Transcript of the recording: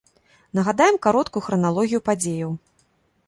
Нагадаем кароткую храналогію падзеяў.